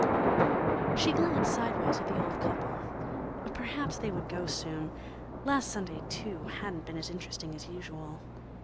She glanced, sideways, at the old couple. Perhaps they would go soon. Last Sunday, too, hadn't been as interesting as usual.